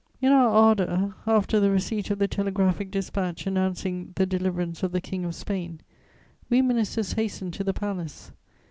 In our ardour, after the receipt of the telegraphic dispatch announcing the deliverance of the King of Spain, we ministers hastened to the Palace.